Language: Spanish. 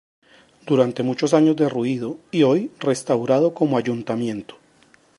Durante muchos años derruido y hoy restaurado como Ayuntamiento.